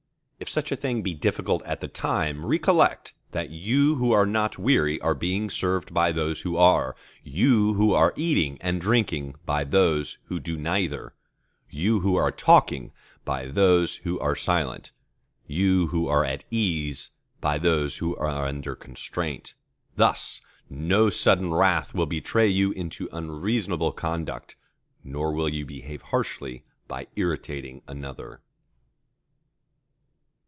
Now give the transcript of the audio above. If such a thing be difficult at the time, recollect that you who are not weary are being served by those that are; you who are eating and drinking by those who do neither; you who are talking by those who are silent; you who are at ease by those who are under constraint. Thus no sudden wrath will betray you into unreasonable conduct, nor will you behave harshly by irritating another.